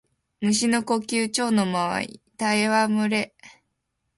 蟲の呼吸蝶ノ舞戯れ（ちょうのまいたわむれ）